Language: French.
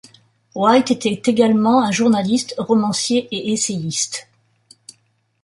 White était également un journaliste, romancier et essayiste.